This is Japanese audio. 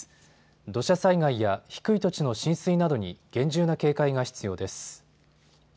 土砂災害や低い土地の浸水などに厳重な警戒が必要です。